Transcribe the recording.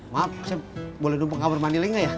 maaf saya boleh dukung kabar mandi lain gak ya